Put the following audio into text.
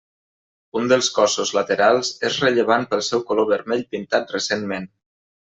Un dels cossos laterals és rellevant pel seu color vermell pintat recentment.